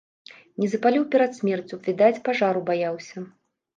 Не запаліў перад смерцю, відаць, пажару баяўся.